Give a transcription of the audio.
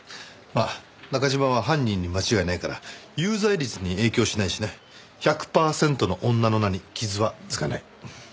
まあ中嶋は犯人に間違いないから有罪率に影響はしないしな「１００パーセントの女」の名に傷は付かない。